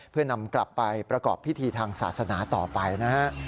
เพื่อนำกลับไปประกอบพิธีทางศาสนาต่อไปนะฮะ